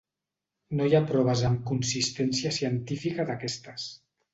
No hi ha proves amb consistència científica d'aquestes.